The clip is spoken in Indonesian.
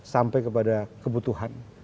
sampai kepada kebutuhan